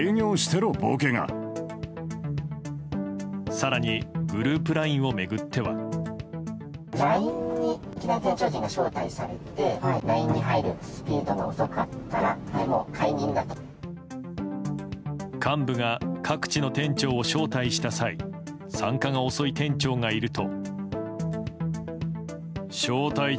更にグループＬＩＮＥを巡っては。幹部が各地の店長を招待した際参加が遅い店長がいると。